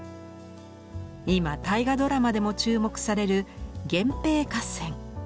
今大河ドラマでも注目される源平合戦。